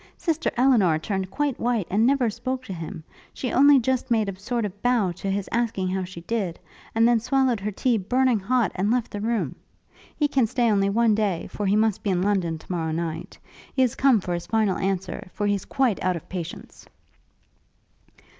Sister Elinor turned quite white, and never spoke to him; she only just made a sort of bow to his asking how she did, and then swallowed her tea burning hot, and left the room. He can stay only one day, for he must be in London to morrow night. He is come for his final answer; for he's quite out of patience.'